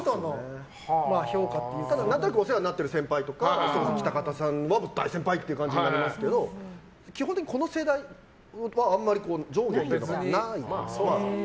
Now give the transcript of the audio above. ただ何となくお世話になってる先輩とか北方さんは大先輩っていう感じですけど基本的にこの世代は上下とかはないですね。